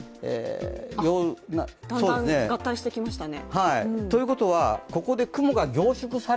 だんだん合体してきましたね。